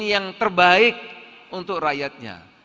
yang terbaik untuk rakyatnya